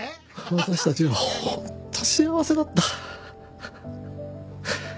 私たちはホント幸せだった。